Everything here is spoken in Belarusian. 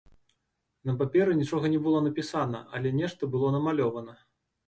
На паперы нічога не было напісана, але нешта было намалёвана.